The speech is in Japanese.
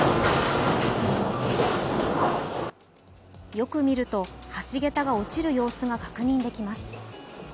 よく見ると、橋桁が落ちる様子が確認できます。